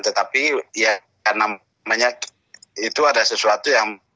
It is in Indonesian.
tetapi ya namanya itu ada sesuatu yang